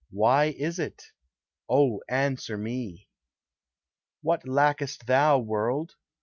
why is it? Oh, answer me! What lackest thou, world?